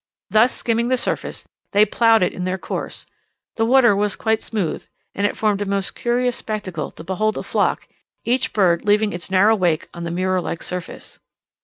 Thus skimming the surface, they ploughed it in their course: the water was quite smooth, and it formed a most curious spectacle to behold a flock, each bird leaving its narrow wake on the mirror like surface.